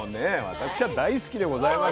私は大好きでございますよ。